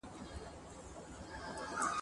د اېډلر دا عقیده وه چي ښځه